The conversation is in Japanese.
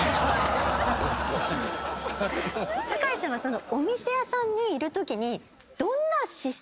酒井さんはお店屋さんにいるときに。